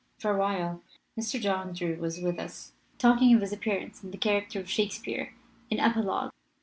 For a while Mr. John Drew was with us, talking of his appearance, in the character of Shakespeare, in epilogue.